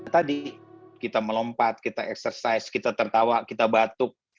tadi kita melompat kita eksersis kita tertawa kita batuk